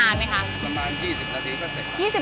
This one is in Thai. ประมาณ๒๐นาทีก็เสร็จค่ะ